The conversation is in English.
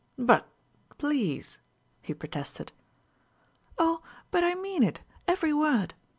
"But please!" he protested. "Oh, but I mean it, every word!